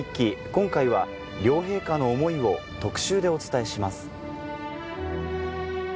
今回は両陛下の思いを特集でお伝えします。